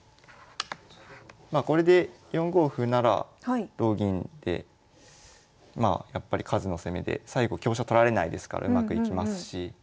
まあこれで４五歩なら同銀でまあやっぱり数の攻めで最後香車取られないですからうまくいきますし。